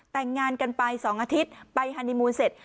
แต่งงานกันไป๒อาทิตย์ไปฮานีมูลเสร็จ